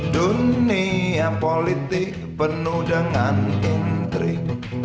dunia politik penuh dengan intrik